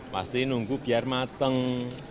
pasti nunggu biar mateng